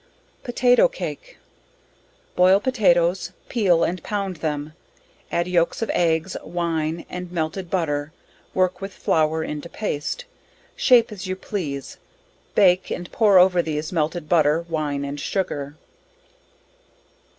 Potato Cake. Boil potatoes, peal and pound them, add yolks of eggs, wine and melted butter work with flour into paste, shape as you please, bake and pour over these melted butter, wine and sugar.